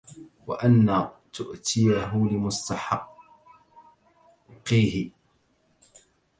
وَأَنْ تُؤْتِيَهُ لِمُسْتَحِقِّهِ